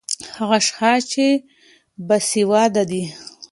ـ هغه اشخاص چې باسېواده دي